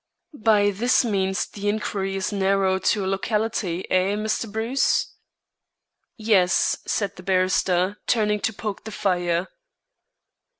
"By this means the inquiry is narrowed to a locality. Eh, Mr. Bruce?" "Yes," said the barrister, turning to poke the fire.